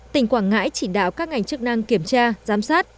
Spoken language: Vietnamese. tỉnh quảng ngãi chỉ đạo các ngành chức năng kiểm tra giám sát